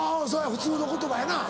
普通の言葉やな。